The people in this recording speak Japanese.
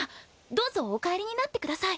どうぞお帰りになってください。